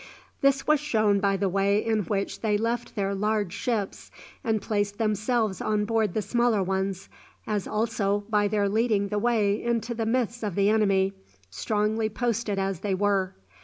This was shown by the way in which they left their large ships and placed themselves on board the smaller ones, as also by their leading the way into the midst of the enemy, strongly posted as they were.